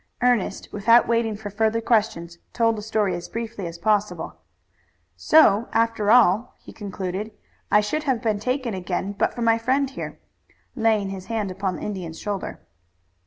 Ernest, without waiting for further questions, told the story as briefly as possible. "So, after all," he concluded, "I should have been taken again but for my friend here," laying his hand upon the Indian's shoulder.